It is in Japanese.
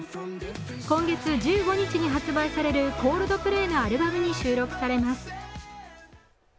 今月１５日に発売されるコールドプレイのアルバムに収録されます。